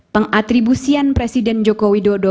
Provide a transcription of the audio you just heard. pengatribusian presiden joko widodo